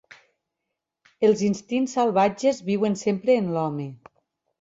Els instints salvatges viuen sempre en l'home.